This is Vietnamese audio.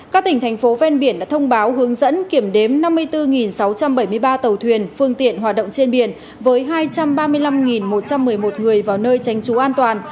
các tỉnh thành phố ven biển đã thông báo hướng dẫn kiểm đếm năm mươi bốn sáu trăm bảy mươi ba tàu thuyền phương tiện hoạt động trên biển với hai trăm ba mươi năm một trăm một mươi một người vào nơi tránh trú an toàn